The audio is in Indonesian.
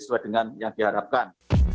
sesuai dengan yang diharapkan